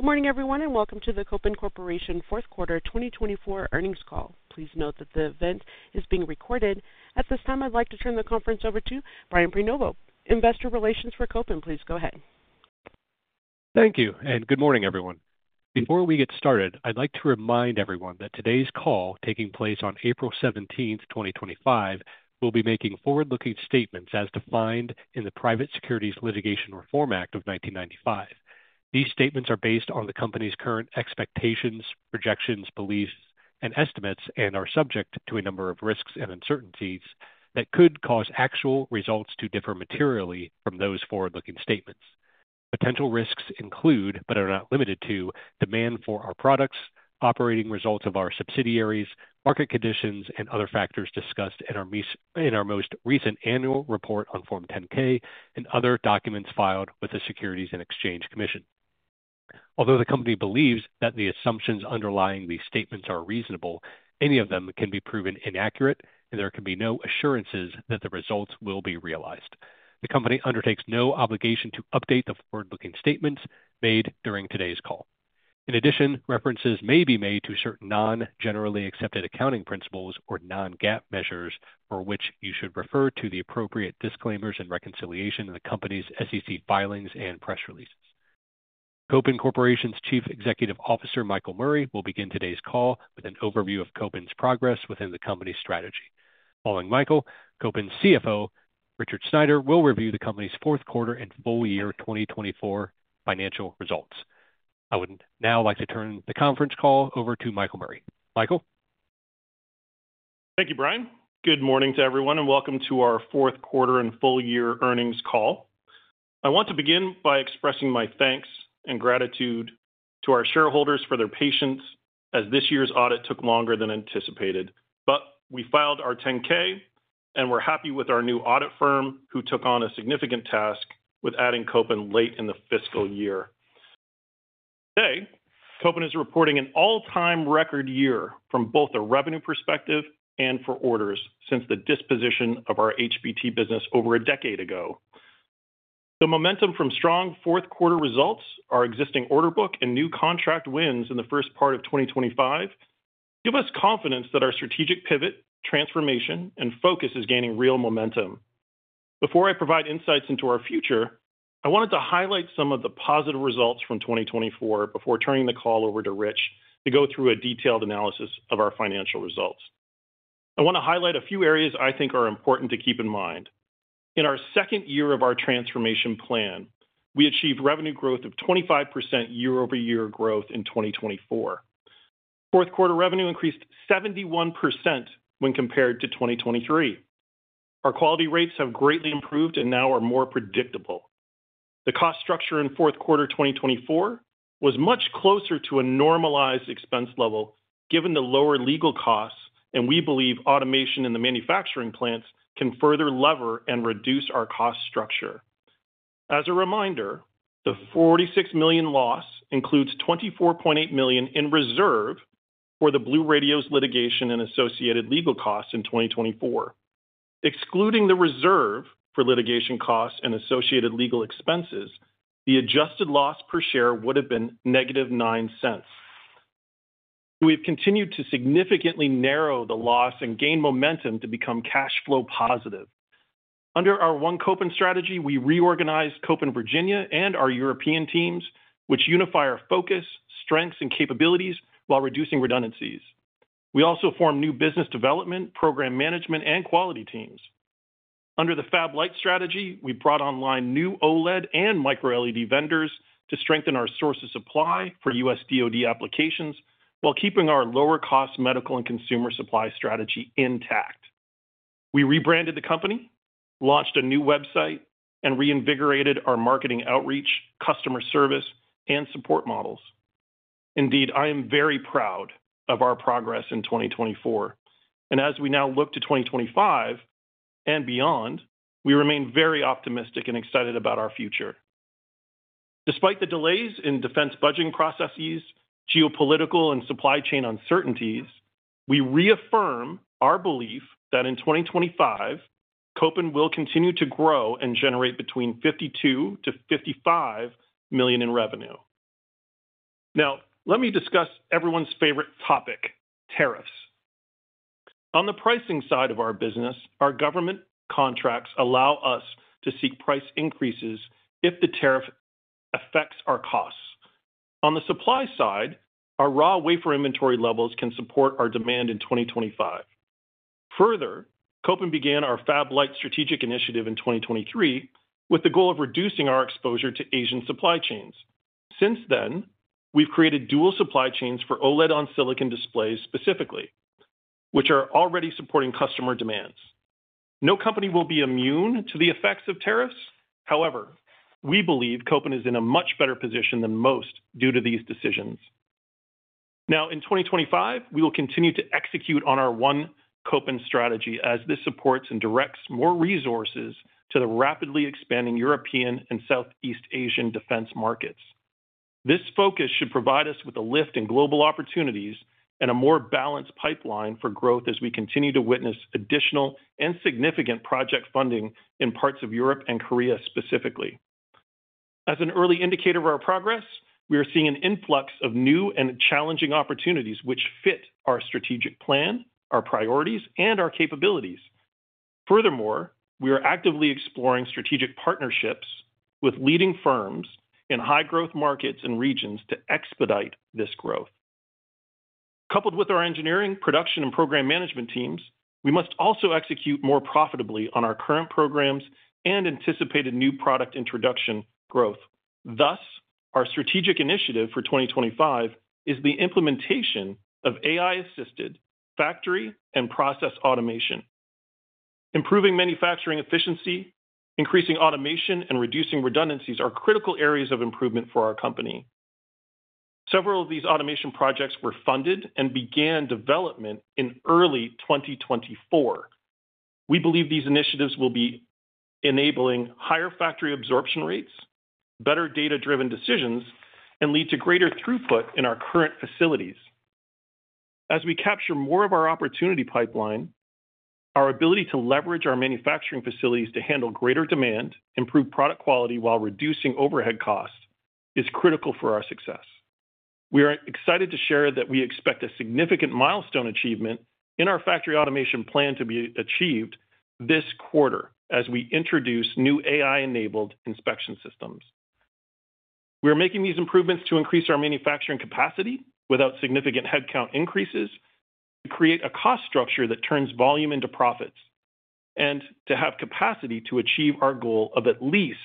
Good morning, everyone, and welcome to the Kopin Corporation Fourth Quarter 2024 Earnings Call. Please note that the event is being recorded. At this time, I'd like to turn the conference over to Brian Prenoveau, Investor Relations for Kopin. Please go ahead. Thank you, and good morning, everyone. Before we get started, I'd like to remind everyone that today's call, taking place on April 17th, 2025, will be making forward-looking statements as defined in the Private Securities Litigation Reform Act of 1995. These statements are based on the company's current expectations, projections, beliefs, and estimates, and are subject to a number of risks and uncertainties that could cause actual results to differ materially from those forward-looking statements. Potential risks include, but are not limited to, demand for our products, operating results of our subsidiaries, market conditions, and other factors discussed in our most recent annual report on Form 10-K and other documents filed with the Securities and Exchange Commission. Although the company believes that the assumptions underlying these statements are reasonable, any of them can be proven inaccurate, and there can be no assurances that the results will be realized. The company undertakes no obligation to update the forward-looking statements made during today's call. In addition, references may be made to certain non-generally accepted accounting principles or non-GAAP measures for which you should refer to the appropriate disclaimers and reconciliation in the company's SEC filings and press releases. Kopin Corporation's Chief Executive Officer, Michael Murray, will begin today's call with an overview of Kopin's progress within the company's strategy. Following Michael, Kopin's CFO, Richard Sneider, will review the company's fourth quarter and full year 2024 financial results. I would now like to turn the conference call over to Michael Murray. Michael. Thank you, Brian. Good morning to everyone, and welcome to our fourth quarter and full year earnings call. I want to begin by expressing my thanks and gratitude to our shareholders for their patience as this year's audit took longer than anticipated. We filed our 10-K, and we're happy with our new audit firm who took on a significant task with adding Kopin late in the fiscal year. Today, Kopin is reporting an all-time record year from both a revenue perspective and for orders since the disposition of our HBT business over a decade ago. The momentum from strong fourth quarter results, our existing order book, and new contract wins in the first part of 2025 give us confidence that our strategic pivot, transformation, and focus is gaining real momentum. Before I provide insights into our future, I wanted to highlight some of the positive results from 2024 before turning the call over to Rich to go through a detailed analysis of our financial results. I want to highlight a few areas I think are important to keep in mind. In our second year of our transformation plan, we achieved revenue growth of 25% year-over-year growth in 2024. Fourth quarter revenue increased 71% when compared to 2023. Our quality rates have greatly improved and now are more predictable. The cost structure in fourth quarter 2024 was much closer to a normalized expense level given the lower legal costs, and we believe automation in the manufacturing plants can further lever and reduce our cost structure. As a reminder, the $46 million loss includes $24.8 million in reserve for the BlueRadios litigation and associated legal costs in 2024. Excluding the reserve for litigation costs and associated legal expenses, the adjusted loss per share would have been -$0.09. We have continued to significantly narrow the loss and gain momentum to become cash flow positive. Under our One Kopin strategy, we reorganized Kopin Virginia and our European teams, which unify our focus, strengths, and capabilities while reducing redundancies. We also formed new business development, program management, and quality teams. Under the fab-lite strategy, we brought online new OLED and micro-LED vendors to strengthen our source of supply for U.S. DoD applications while keeping our lower-cost medical and consumer supply strategy intact. We rebranded the company, launched a new website, and reinvigorated our marketing outreach, customer service, and support models. Indeed, I am very proud of our progress in 2024. As we now look to 2025 and beyond, we remain very optimistic and excited about our future. Despite the delays in defense budgeting processes, geopolitical, and supply chain uncertainties, we reaffirm our belief that in 2025, Kopin will continue to grow and generate between $52 million-$55 million in revenue. Now, let me discuss everyone's favorite topic, tariffs. On the pricing side of our business, our government contracts allow us to seek price increases if the tariff affects our costs. On the supply side, our raw wafer inventory levels can support our demand in 2025. Further, Kopin began our fab-lite strategic initiative in 2023 with the goal of reducing our exposure to Asian supply chains. Since then, we've created dual supply chains for OLED on silicon displays specifically, which are already supporting customer demands. No company will be immune to the effects of tariffs. However, we believe Kopin is in a much better position than most due to these decisions. Now, in 2025, we will continue to execute on our One Kopin strategy as this supports and directs more resources to the rapidly expanding European and Southeast Asian defense markets. This focus should provide us with a lift in global opportunities and a more balanced pipeline for growth as we continue to witness additional and significant project funding in parts of Europe and Korea specifically. As an early indicator of our progress, we are seeing an influx of new and challenging opportunities which fit our strategic plan, our priorities, and our capabilities. Furthermore, we are actively exploring strategic partnerships with leading firms in high-growth markets and regions to expedite this growth. Coupled with our engineering, production, and program management teams, we must also execute more profitably on our current programs and anticipated new product introduction growth. Thus, our strategic initiative for 2025 is the implementation of AI-assisted factory and process automation. Improving manufacturing efficiency, increasing automation, and reducing redundancies are critical areas of improvement for our company. Several of these automation projects were funded and began development in early 2024. We believe these initiatives will be enabling higher factory absorption rates, better data-driven decisions, and lead to greater throughput in our current facilities. As we capture more of our opportunity pipeline, our ability to leverage our manufacturing facilities to handle greater demand, improve product quality while reducing overhead costs is critical for our success. We are excited to share that we expect a significant milestone achievement in our factory automation plan to be achieved this quarter as we introduce new AI-enabled inspection systems. We are making these improvements to increase our manufacturing capacity without significant headcount increases, to create a cost structure that turns volume into profits, and to have capacity to achieve our goal of at least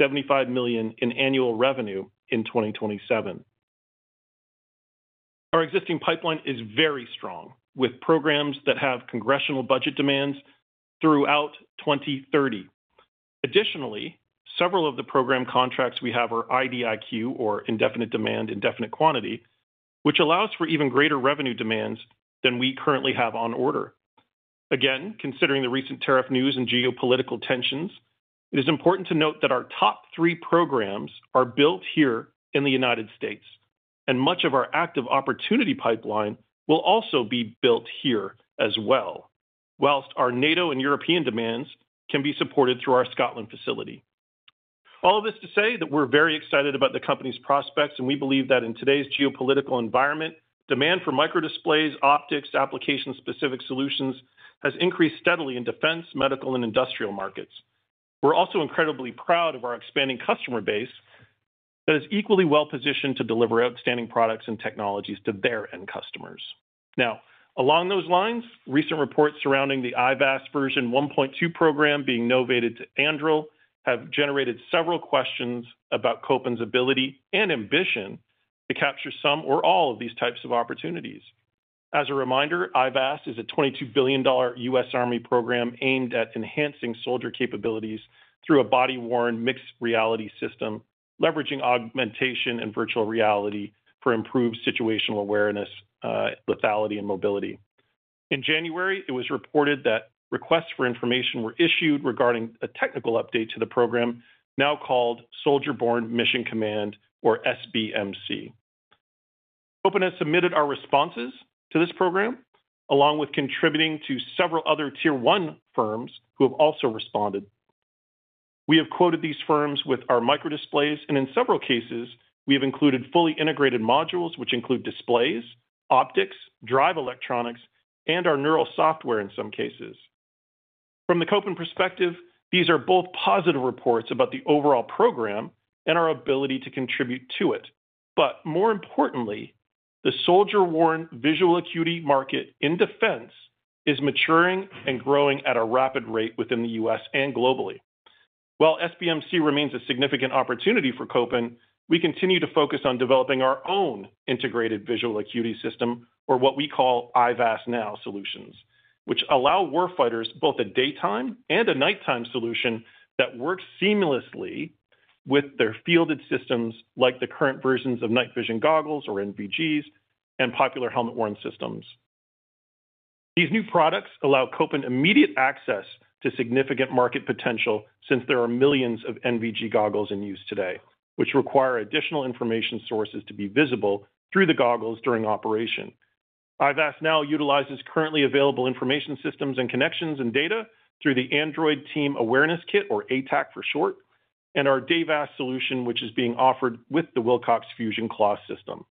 $75 million in annual revenue in 2027. Our existing pipeline is very strong, with programs that have congressional budget demands throughout 2030. Additionally, several of the program contracts we have are IDIQ, or indefinite delivery, indefinite quantity, which allows for even greater revenue demands than we currently have on order. Again, considering the recent tariff news and geopolitical tensions, it is important to note that our top three programs are built here in the United States, and much of our active opportunity pipeline will also be built here as well, while our NATO and European demands can be supported through our Scotland facility. All of this to say that we're very excited about the company's prospects, and we believe that in today's geopolitical environment, demand for micro-displays, optics, application-specific solutions has increased steadily in defense, medical, and industrial markets. We're also incredibly proud of our expanding customer base that is equally well-positioned to deliver outstanding products and technologies to their end customers. Now, along those lines, recent reports surrounding the IVAS version 1.2 program being novated to Anduril have generated several questions about Kopin's ability and ambition to capture some or all of these types of opportunities. As a reminder, IVAS is a $22 billion U.S. Army program aimed at enhancing soldier capabilities through a body-worn mixed reality system, leveraging augmentation and virtual reality for improved situational awareness, lethality, and mobility. In January, it was reported that requests for information were issued regarding a technical update to the program now called Soldier Borne Mission Command, or SBMC. Kopin has submitted our responses to this program, along with contributing to several other tier-one firms who have also responded. We have quoted these firms with our micro-displays, and in several cases, we have included fully integrated modules, which include displays, optics, drive electronics, and our neural software in some cases. From the Kopin perspective, these are both positive reports about the overall program and our ability to contribute to it. More importantly, the soldier-worn visual acuity market in defense is maturing and growing at a rapid rate within the U.S. and globally. While SBMC remains a significant opportunity for Kopin, we continue to focus on developing our own integrated visual acuity system, or what we call IVAS-NOW solutions, which allow warfighters both a daytime and a nighttime solution that works seamlessly with their fielded systems like the current versions of night vision goggles or NVGs and popular helmet-worn systems. These new products allow Kopin immediate access to significant market potential since there are millions of NVG goggles in use today, which require additional information sources to be visible through the goggles during operation. IVAS-NOW utilizes currently available information systems and connections and data through the Android Team Awareness Kit, or ATAK for short, and our DAVASS solution, which is being offered with the Wilcox FUSION Class system.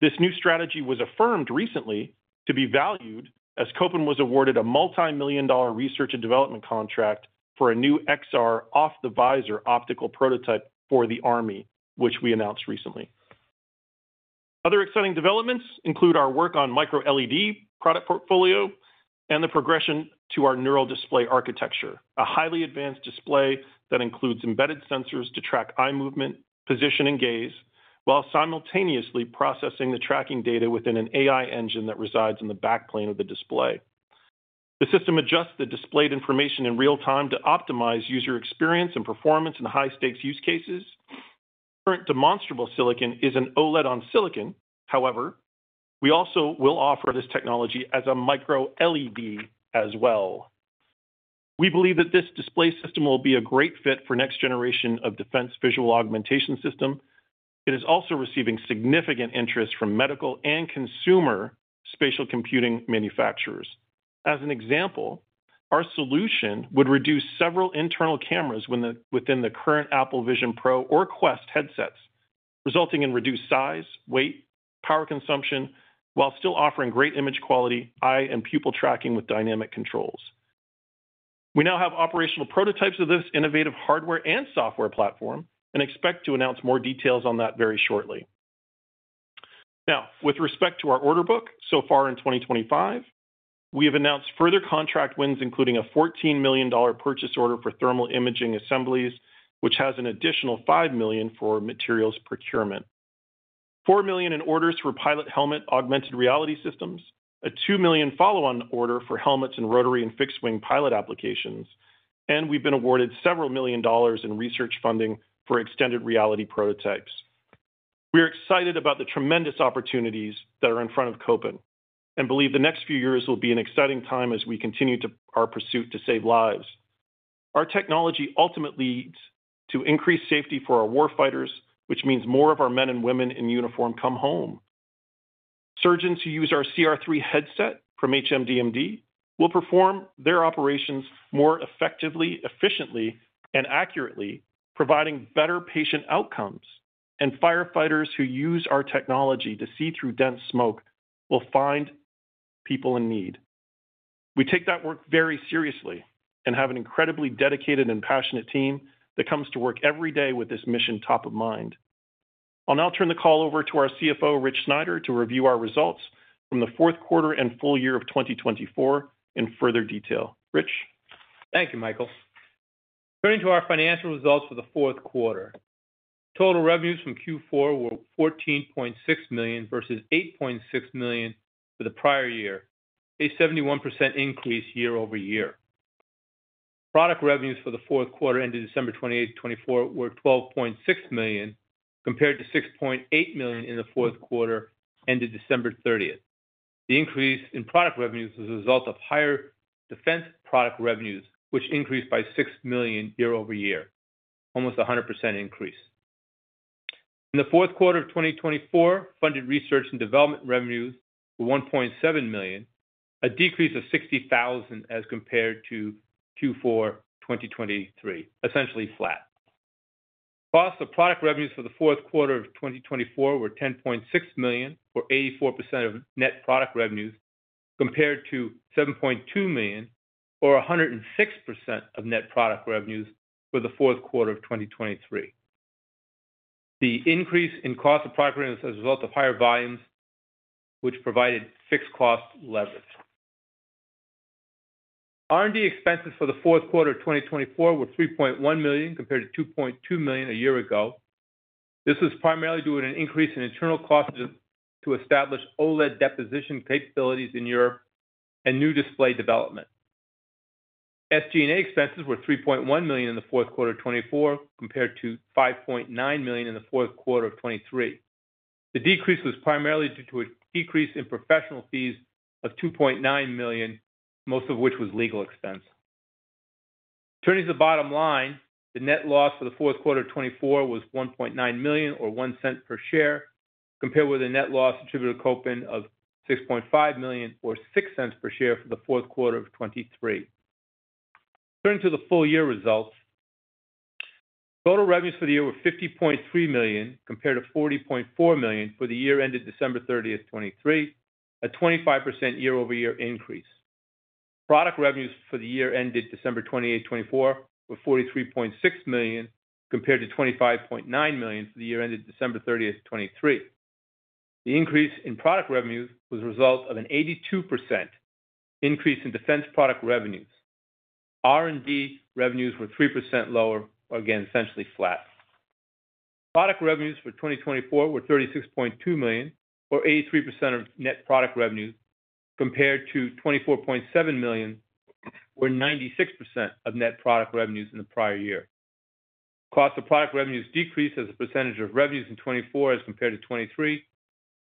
This new strategy was affirmed recently to be valued as Kopin was awarded a multi-million dollar research and development contract for a new XR off-the-visor optical prototype for the Army, which we announced recently. Other exciting developments include our work on micro-LED product portfolio and the progression to our neural display architecture, a highly advanced display that includes embedded sensors to track eye movement, position, and gaze, while simultaneously processing the tracking data within an AI engine that resides in the backplane of the display. The system adjusts the displayed information in real time to optimize user experience and performance in high-stakes use cases. Current demonstrable silicon is an OLED on silicon. However, we also will offer this technology as a micro-LED as well. We believe that this display system will be a great fit for next generation of defense visual augmentation system. It is also receiving significant interest from medical and consumer spatial computing manufacturers. As an example, our solution would reduce several internal cameras within the current Apple Vision Pro or Quest headsets, resulting in reduced size, weight, power consumption, while still offering great image quality, eye, and pupil tracking with dynamic controls. We now have operational prototypes of this innovative hardware and software platform and expect to announce more details on that very shortly. Now, with respect to our order book so far in 2025, we have announced further contract wins, including a $14 million purchase order for thermal imaging assemblies, which has an additional $5 million for materials procurement, $4 million in orders for pilot helmet augmented reality systems, a $2 million follow-on order for helmets and rotary and fixed-wing pilot applications, and we have been awarded several million dollars in research funding for extended reality prototypes. We are excited about the tremendous opportunities that are in front of Kopin and believe the next few years will be an exciting time as we continue our pursuit to save lives. Our technology ultimately leads to increased safety for our warfighters, which means more of our men and women in uniform come home. Surgeons who use our CR3 headset from HMDmd will perform their operations more effectively, efficiently, and accurately, providing better patient outcomes, and firefighters who use our technology to see through dense smoke will find people in need. We take that work very seriously and have an incredibly dedicated and passionate team that comes to work every day with this mission top of mind. I'll now turn the call over to our CFO, Rich Sneider, to review our results from the fourth quarter and full year of 2024 in further detail. Rich. Thank you, Michael. Turning to our financial results for the fourth quarter, total revenues from Q4 were $14.6 million versus $8.6 million for the prior year, a 71% increase year-over-year. Product revenues for the fourth quarter ended December 28th, 2024, were $12.6 million, compared to $6.8 million in the fourth quarter ended December 30th. The increase in product revenues is a result of higher defense product revenues, which increased by $6 million year-over-year, almost a 100% increase. In the fourth quarter of 2024, funded research and development revenues were $1.7 million, a decrease of $60,000 as compared to Q4 2023, essentially flat. Cost of product revenues for the fourth quarter of 2024 were $10.6 million, or 84% of net product revenues, compared to $7.2 million, or 106% of net product revenues for the fourth quarter of 2023. The increase in cost of product revenues is a result of higher volumes, which provided fixed cost leverage. R&D expenses for the fourth quarter of 2024 were $3.1 million compared to $2.2 million a year ago. This was primarily due to an increase in internal costs to establish OLED deposition capabilities in Europe and new display development. SG&A expenses were $3.1 million in the fourth quarter of 2024, compared to $5.9 million in the fourth quarter of 2023. The decrease was primarily due to a decrease in professional fees of $2.9 million, most of which was legal expense. Turning to the bottom line, the net loss for the fourth quarter of 2024 was $1.9 million, or $0.01 per share, compared with a net loss attributed to Kopin of $6.5 million, or $0.06 per share for the fourth quarter of 2023. Turning to the full year results, total revenues for the year were $50.3 million, compared to $40.4 million for the year ended December 30th, 2023, a 25% year-over-year increase. Product revenues for the year ended December 28th, 2024, were $43.6 million, compared to $25.9 million for the year ended December 30th, 2023. The increase in product revenues was a result of an 82% increase in defense product revenues. R&D revenues were 3% lower, or again, essentially flat. Product revenues for 2024 were $36.2 million, or 83% of net product revenues, compared to $24.7 million, or 96% of net product revenues in the prior year. Cost of product revenues decreased as a percentage of revenues in 2024 as compared to 2023,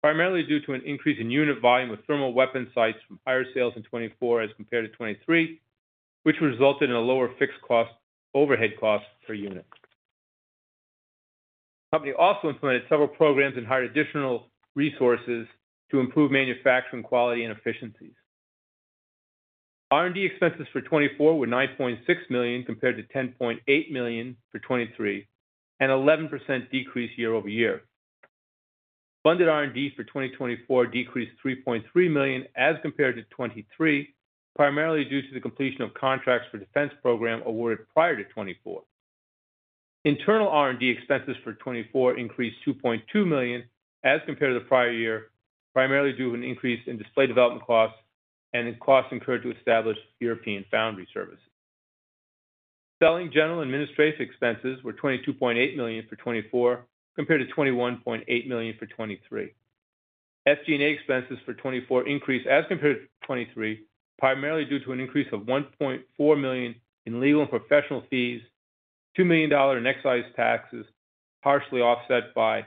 primarily due to an increase in unit volume of thermal weapon sights from higher sales in 2024 as compared to 2023, which resulted in a lower fixed cost overhead cost per unit. The company also implemented several programs and hired additional resources to improve manufacturing quality and efficiencies. R&D expenses for 2024 were $9.6 million, compared to $10.8 million for 2023, an 11% decrease year-over-year. Funded R&D for 2024 decreased $3.3 million as compared to 2023, primarily due to the completion of contracts for defense program awarded prior to 2024. Internal R&D expenses for 2024 increased $2.2 million as compared to the prior year, primarily due to an increase in display development costs and in costs incurred to establish European foundry services. Selling general administrative expenses were $22.8 million for 2024, compared to $21.8 million for 2023. SG&A expenses for 2024 increased as compared to 2023, primarily due to an increase of $1.4 million in legal and professional fees, $2 million in excise taxes, partially offset by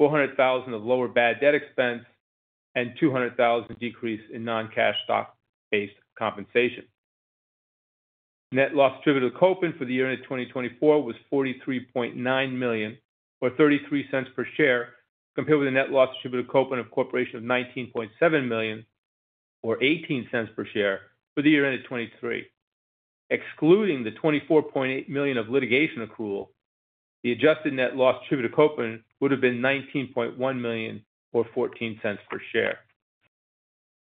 $400,000 of lower bad debt expense, and $200,000 decrease in non-cash stock-based compensation. Net loss attributed to Kopin for the year ended 2024 was $43.9 million, or $0.33 per share, compared with a net loss attributed to Kopin of $19.7 million, or $0.18 per share for the year ended 2023. Excluding the $24.8 million of litigation accrual, the adjusted net loss attributed to Kopin would have been $19.1 million, or $0.14 per share.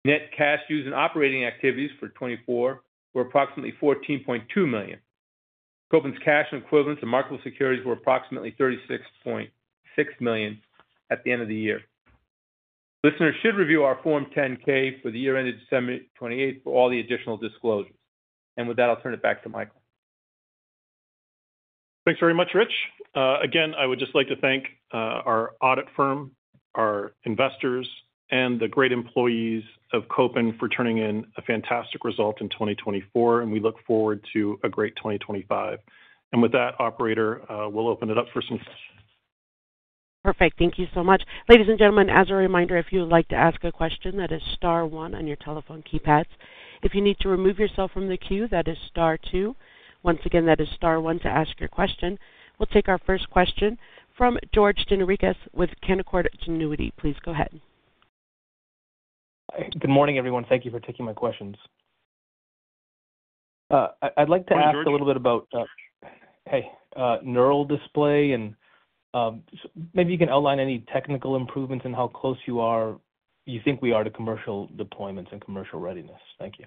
Net cash used in operating activities for 2024 was approximately $14.2 million. Kopin's cash and equivalents and marketable securities were approximately $36.6 million at the end of the year. Listeners should review our Form 10-K for the year ended December 28th for all the additional disclosures. With that, I'll turn it back to Michael. Thanks very much, Rich. I would just like to thank our audit firm, our investors, and the great employees of Kopin for turning in a fantastic result in 2024, and we look forward to a great 2025. With that, operator, we'll open it up for some questions. Perfect. Thank you so much. Ladies and gentlemen, as a reminder, if you would like to ask a question, that is star one on your telephone keypads. If you need to remove yourself from the queue, that is star two. Once again, that is star one to ask your question. We'll take our first question from George Gianarikas with Canaccord Genuity. Please go ahead. Good morning, everyone. Thank you for taking my questions. I'd like to ask a little bit about, hey, neural display, and maybe you can outline any technical improvements and how close you are, you think we are to commercial deployments and commercial readiness. Thank you.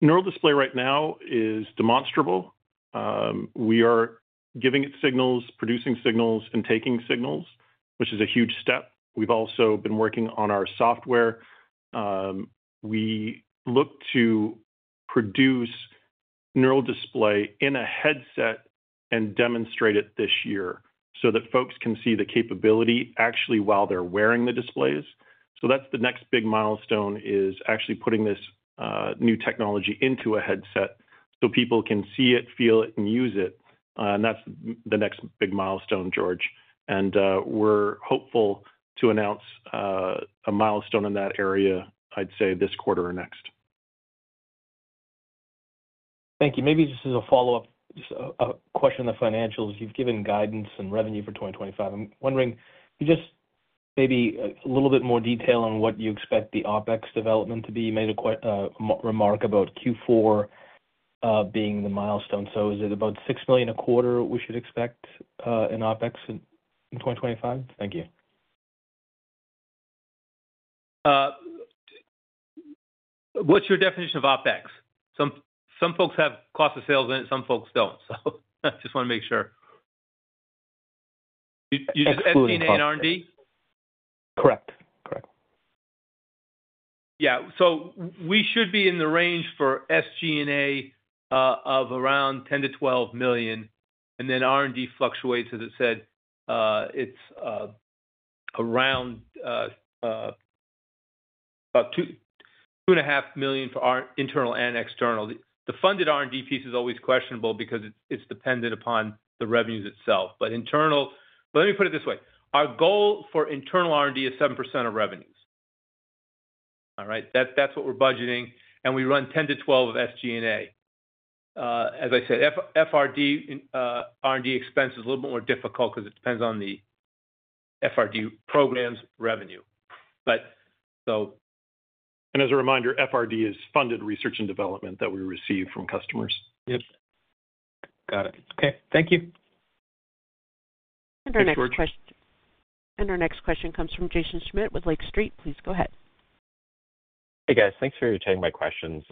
Neural display right now is demonstrable. We are giving it signals, producing signals, and taking signals, which is a huge step. We've also been working on our software. We look to produce neural display in a headset and demonstrate it this year so that folks can see the capability actually while they're wearing the displays. That is the next big milestone, actually putting this new technology into a headset so people can see it, feel it, and use it. That is the next big milestone, George. We're hopeful to announce a milestone in that area, I'd say, this quarter or next. Thank you. Maybe just as a follow-up, just a question on the financials. You've given guidance and revenue for 2025. I'm wondering, could you just maybe a little bit more detail on what you expect the OpEx development to be? You made a remark about Q4 being the milestone. Is it about $6 million a quarter we should expect in OpEx in 2025? Thank you. What's your definition of OpEx? Some folks have cost of sales in it, some folks don't. I just want to make sure. You just SG&A and R&D? Correct. Correct. Yeah. We should be in the range for SG&A of around $10-$12 million, and then R&D fluctuates, as I said. It's around about $2.5 million for internal and external. The funded R&D piece is always questionable because it's dependent upon the revenues itself. Internal—let me put it this way. Our goal for internal R&D is 7% of revenues. All right? That's what we're budgeting. We run $10-$12 million of SG&A. As I said, FRD R&D expense is a little bit more difficult because it depends on the FRD program's revenue. As a reminder, FRD is funded research and development that we receive from customers. Yep. Got it. Okay. Thank you. Thanks, George. Our next question comes from Jaeson Schmidt with Lake Street. Please go ahead. Hey, guys. Thanks for taking my questions.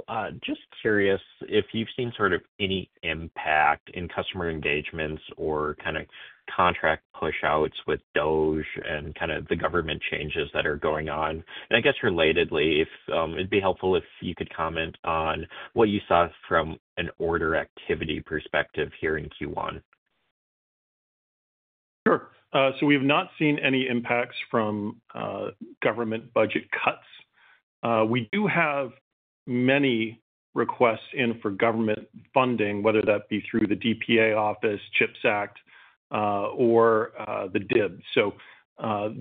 Just curious if you've seen sort of any impact in customer engagements or kind of contract push-outs with DOGE and kind of the government changes that are going on. I guess relatedly, it'd be helpful if you could comment on what you saw from an order activity perspective here in Q1. Sure. We have not seen any impacts from government budget cuts. We do have many requests in for government funding, whether that be through the DPA office, CHIPS Act, or the DIB.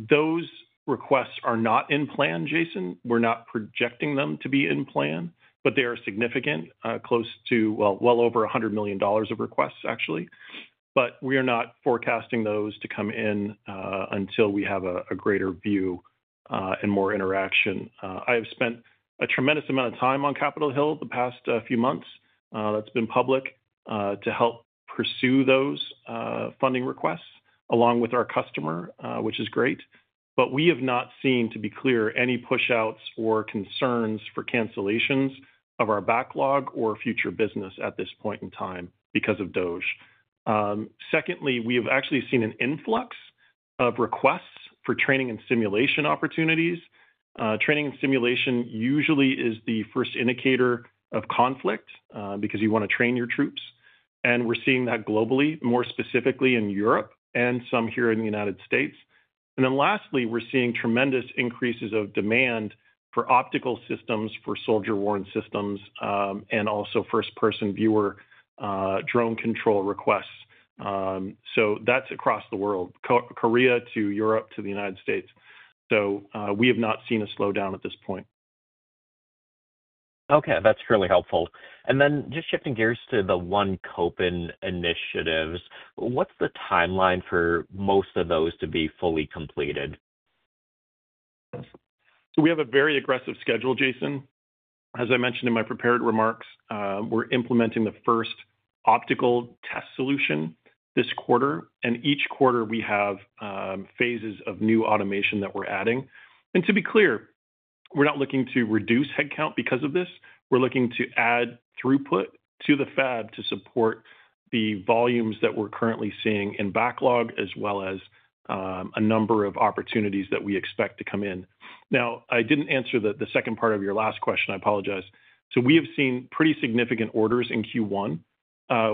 Those requests are not in plan, Jaeson. We're not projecting them to be in plan, but they are significant, close to, well, well over $100 million of requests, actually. We are not forecasting those to come in until we have a greater view and more interaction. I have spent a tremendous amount of time on Capitol Hill the past few months that's been public to help pursue those funding requests along with our customer, which is great. We have not seen, to be clear, any push-outs or concerns for cancellations of our backlog or future business at this point in time because of DOGE. Secondly, we have actually seen an influx of requests for training and simulation opportunities. Training and simulation usually is the first indicator of conflict because you want to train your troops. We are seeing that globally, more specifically in Europe and some here in the United States. Lastly, we are seeing tremendous increases of demand for optical systems for soldier-worn systems and also first-person viewer drone control requests. That is across the world, Korea to Europe to the United States. We have not seen a slowdown at this point. Okay. That is really helpful. Just shifting gears to the One Kopin initiatives, what is the timeline for most of those to be fully completed? We have a very aggressive schedule, Jaeson. As I mentioned in my prepared remarks, we're implementing the first optical test solution this quarter. Each quarter, we have phases of new automation that we're adding. To be clear, we're not looking to reduce headcount because of this. We're looking to add throughput to the fab to support the volumes that we're currently seeing in backlog, as well as a number of opportunities that we expect to come in. I didn't answer the second part of your last question. I apologize. We have seen pretty significant orders in Q1.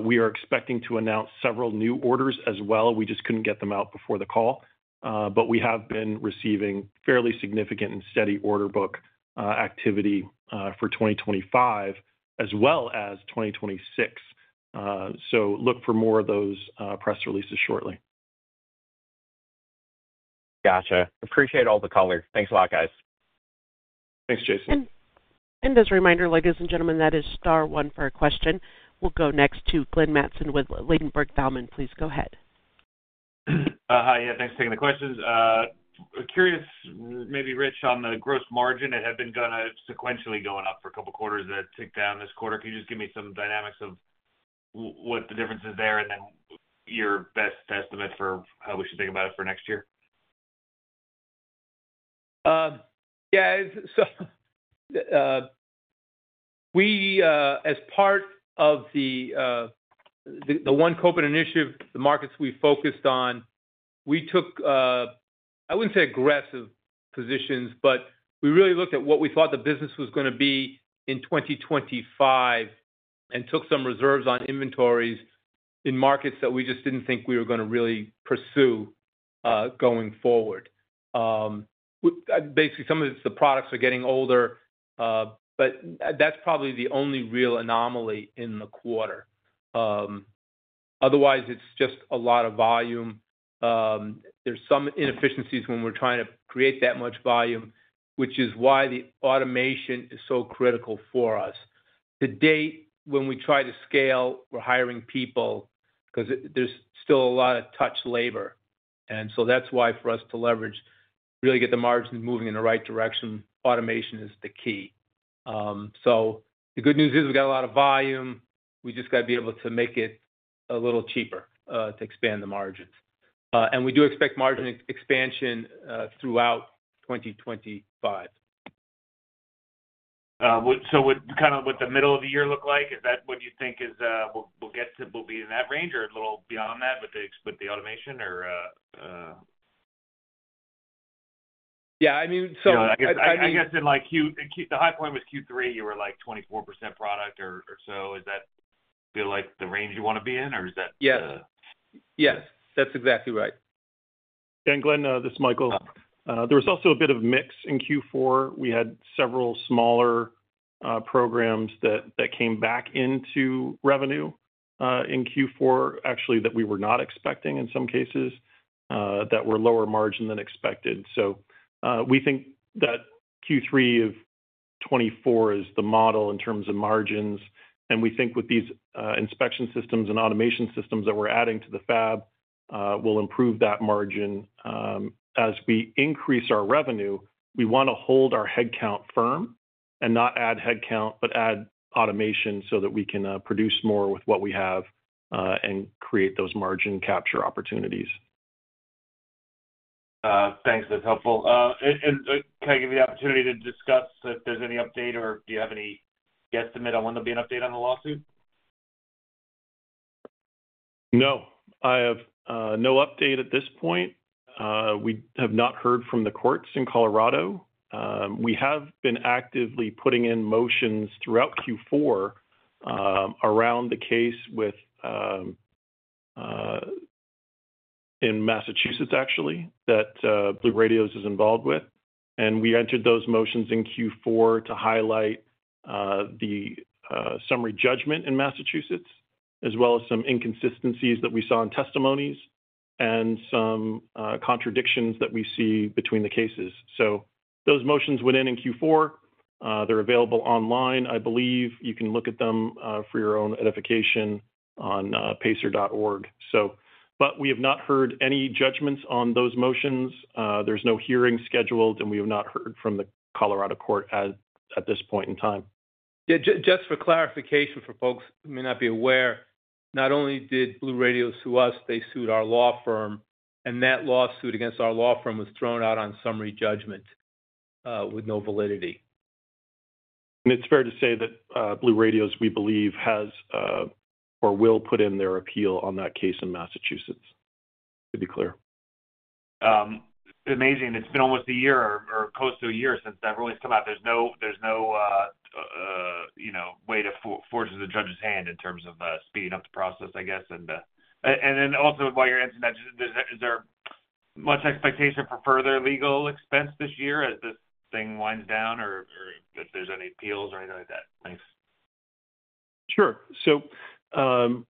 We are expecting to announce several new orders as well. We just couldn't get them out before the call. We have been receiving fairly significant and steady order book activity for 2025, as well as 2026. Look for more of those press releases shortly. Gotcha. Appreciate all the color. Thanks a lot, guys. Thanks, Jaeson. As a reminder, ladies and gentlemen, that is star one for a question. We'll go next to Glenn Mattson with Ladenburg Thalmann. Please go ahead. Hi. Yeah. Thanks for taking the questions. Curious, maybe, Rich, on the gross margin. It had been kind of sequentially going up for a couple of quarters. It ticked down this quarter. Can you just give me some dynamics of what the difference is there? And then your best estimate for how we should think about it for next year? Yeah. As part of the One Kopin Initiative, the markets we focused on, we took—I wouldn't say aggressive positions—but we really looked at what we thought the business was going to be in 2025 and took some reserves on inventories in markets that we just didn't think we were going to really pursue going forward. Basically, some of the products are getting older, but that's probably the only real anomaly in the quarter. Otherwise, it's just a lot of volume. There are some inefficiencies when we're trying to create that much volume, which is why the automation is so critical for us. To date, when we try to scale, we're hiring people because there's still a lot of touch labor. That is why for us to leverage, really get the margins moving in the right direction, automation is the key. The good news is we got a lot of volume. We just got to be able to make it a little cheaper to expand the margins. We do expect margin expansion throughout 2025. Kind of what the middle of the year look like? Is that what you think is we'll be in that range or a little beyond that with the automation or? Yeah. I mean, I guess in the high point was Q3, you were like 24% product or so. Is that the range you want to be in, or is that? Yeah. Yes. That's exactly right. Glenn, this is Michael. There was also a bit of mix in Q4. We had several smaller programs that came back into revenue in Q4, actually, that we were not expecting in some cases, that were lower margin than expected. We think that Q3 of 2024 is the model in terms of margins. We think with these inspection systems and automation systems that we're adding to the fab, we'll improve that margin. As we increase our revenue, we want to hold our headcount firm and not add headcount, but add automation so that we can produce more with what we have and create those margin capture opportunities. Thanks. That's helpful. Can I give you the opportunity to discuss if there's any update, or do you have any guesstimate on when there'll be an update on the lawsuit? No. I have no update at this point. We have not heard from the courts in Colorado. We have been actively putting in motions throughout Q4 around the case in Massachusetts, actually, that BlueRadios is involved with. We entered those motions in Q4 to highlight the summary judgment in Massachusetts, as well as some inconsistencies that we saw in testimonies and some contradictions that we see between the cases. Those motions went in in Q4. They're available online. I believe you can look at them for your own edification on pacer.org. We have not heard any judgments on those motions. There's no hearing scheduled, and we have not heard from the Colorado court at this point in time. Yeah. Just for clarification for folks who may not be aware, not only did BlueRadios sue us, they sued our law firm, and that lawsuit against our law firm was thrown out on summary judgment with no validity. It's fair to say that BlueRadios, we believe, has or will put in their appeal on that case in Massachusetts, to be clear. Amazing. It's been almost a year or close to a year since that ruling's come out. There's no way to force the judge's hand in terms of speeding up the process, I guess. Also, while you're answering that, is there much expectation for further legal expense this year as this thing winds down, or if there's any appeals or anything like that? Thanks. Sure.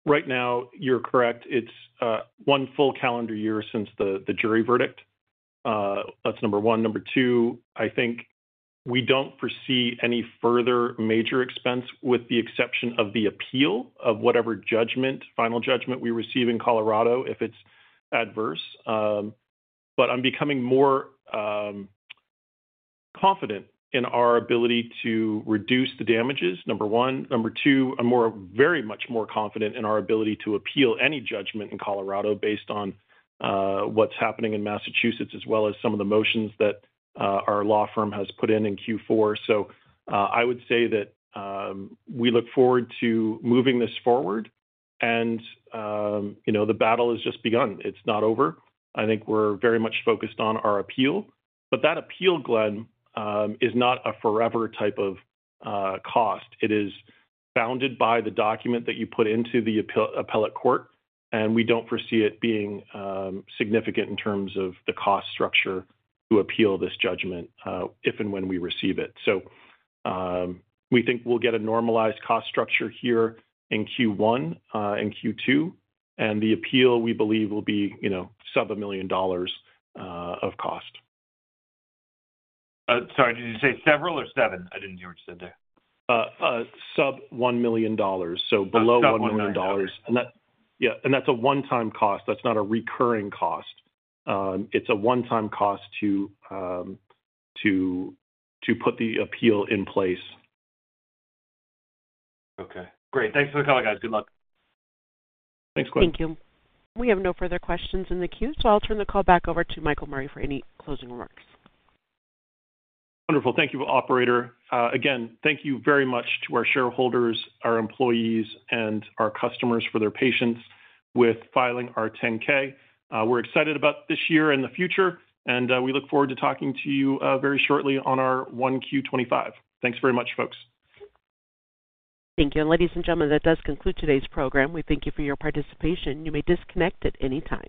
Right now, you're correct. It's one full calendar year since the jury verdict. That's number one. Number two, I think we don't foresee any further major expense with the exception of the appeal of whatever final judgment we receive in Colorado if it's adverse. I'm becoming more confident in our ability to reduce the damages, number one. Number two, I'm very much more confident in our ability to appeal any judgment in Colorado based on what's happening in Massachusetts, as well as some of the motions that our law firm has put in in Q4. I would say that we look forward to moving this forward. The battle has just begun. It's not over. I think we're very much focused on our appeal. That appeal, Glenn, is not a forever type of cost. It is founded by the document that you put into the appellate court. We don't foresee it being significant in terms of the cost structure to appeal this judgment if and when we receive it. We think we'll get a normalized cost structure here in Q1 and Q2. The appeal, we believe, will be sub $1 million of cost. Sorry. Did you say several or seven? I didn't hear what you said there. Sub $1 million. So below $1 million. Yeah. And that's a one-time cost. That's not a recurring cost. It's a one-time cost to put the appeal in place. Okay. Great. Thanks for the call, guys. Good luck. Thanks, Glenn. Thank you. We have no further questions in the queue. I'll turn the call back over to Michael Murray for any closing remarks. Wonderful. Thank you, operator. Again, thank you very much to our shareholders, our employees, and our customers for their patience with filing our 10-K. We're excited about this year and the future. We look forward to talking to you very shortly on our 1Q 2025. Thanks very much, folks. Thank you. Ladies and gentlemen, that does conclude today's program. We thank you for your participation. You may disconnect at any time.